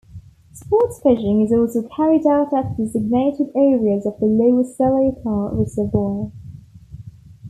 Sports fishing is also carried out at designated areas of the Lower Seletar Reservoir.